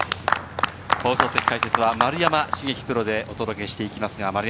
放送席の解説は丸山茂樹プロでお届けしていきます。